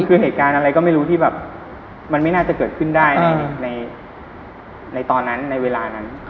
คือเหตุการณ์อะไรก็ไม่รู้ที่มันไม่น่าจะเกิดขึ้นได้ในเวลานั้น